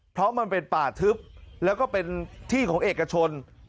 เพราะมันเป็นป่าทึบแล้วก็เป็นที่ของเอกชน